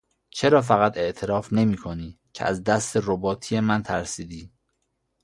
چرا فقط اعتراف نمیکنی که از دست رباتیه من ترسیدی؟